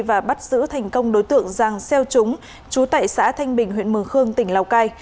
và bắt giữ thành công đối tượng giàng xeo trúng chú tại xã thanh bình huyện mường khương tỉnh lào cai